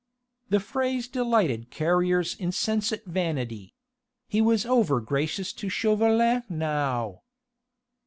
The phrase delighted Carrier's insensate vanity. He was overgracious to Chauvelin now.